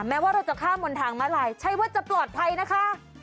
แม้ว่าเราจะข้ามบนทางมาลายใช้ว่าจะปลอดภัยนะคะ